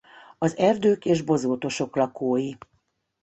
Az erdők és bozótosok lakói.